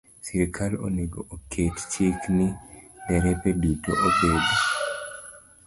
Sirkal onego oket chik ni derepe duto obed